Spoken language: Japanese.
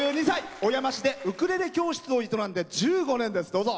小山市でウクレレ教室を営んで１５年です。